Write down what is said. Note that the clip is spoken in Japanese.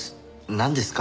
なんですか？